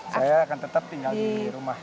saya akan tetap tinggal di rumah